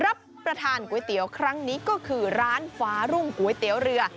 รับประทานก๋วยเตี๋ยวครั้งนี้ก็คือร้านฟ้ารุ่งก๋วยเตี๋ยวเรือ